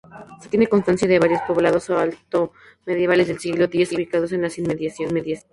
Se tiene constancia de varios poblados altomedievales del siglo X ubicados en las inmediaciones.